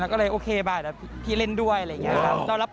เราก็เลยโอเคบ้างพี่เล่นด้วยอะไรอย่างนี้ครับ